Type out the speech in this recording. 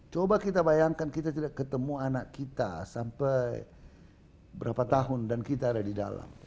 coba kita bayangkan kita tidak ketemu anak kita sampai berapa tahun dan kita ada di dalam